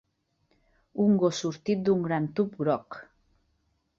Un gos sortit d'un gran tub groc.